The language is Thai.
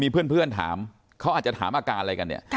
เพื่อนถามเขาอาจจะถามอาการอะไรกันเนี่ย